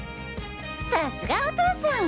さすがお父さん！